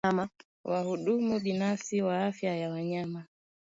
wahudumu binafsi wa afya ya wanyama